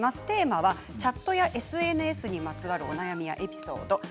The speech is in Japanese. テーマはチャットやＳＮＳにまつわるお悩みやエピソード。